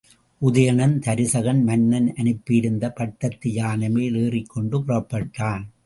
உதயணன், தருசகன் மன்னன் அனுப்பியிருந்த பட்டத்து யானைமேல் ஏறிக்கொண்டு புறப்பட்டான்.